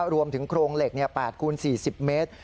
รวมถึงโครงเหล็ก๘คูณ๔๐เมตร